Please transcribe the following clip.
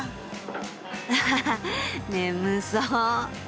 アハハ眠そう。